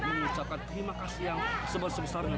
mengucapkan terima kasih yang sebesar sebesarnya